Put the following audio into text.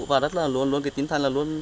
và rất là luôn luôn cái tính thanh là luôn